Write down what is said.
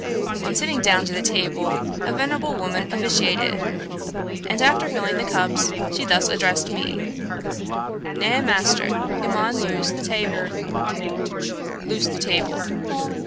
On sitting down to the table, a venerable woman officiated, and after filling the cups, she thus addressed me: 'Nah, Maister, yah mun loawze th'taible' (loose the table).